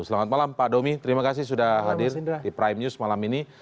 selamat malam pak domi terima kasih sudah hadir di prime news malam ini